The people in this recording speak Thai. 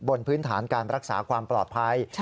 บนพื้นฐานการรักษาความปลอดภัย